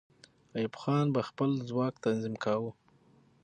ایوب خان به خپل ځواک تنظیم کاوه.